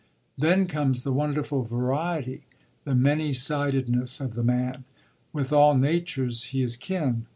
Then comes the wonderful variety, the many sided ness of the man. With all natures he is kin.